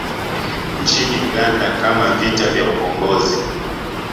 Nchini Uganda kama vita vya Ukombozi